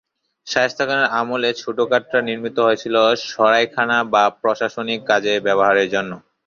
শায়েস্তা খানের আমলে ছোট কাটরা নির্মিত হয়েছিল সরাইখানা বা প্রশাসনিক কাজে ব্যবহারের জন্য।